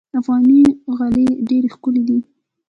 افغاني غالۍ ډېرې ښکلې دي.